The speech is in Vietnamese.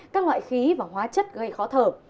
các loại khí và hóa chất gây khó thở